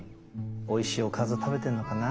おいしいおかず食べてるのかな？